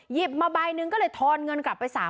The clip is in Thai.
หยิบมาใบหนึ่งก็เลยทอนเงินกลับไป๓๐๐